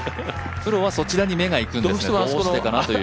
プロはそちらに目がいくんですね、どうしてかなという。